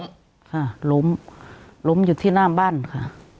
ค่ะล้มล้มอยู่ที่หน้าบ้านค่ะ